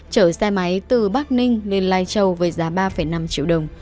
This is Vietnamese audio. chở xe máy từ bắc ninh lên lai châu với giá ba năm triệu đồng